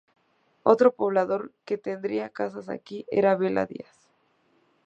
Otro poblador que tendría casas aquí era Vela Díaz.